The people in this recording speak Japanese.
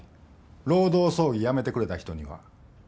労働争議やめてくれた人には。